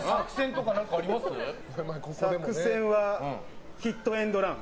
作戦は、ヒットエンドラン。